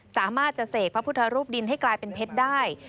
สามารถจะเสกพระพุทธรูปดินให้กลายเป็นเพชรได้